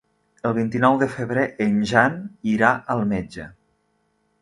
El vint-i-nou de febrer en Jan irà al metge.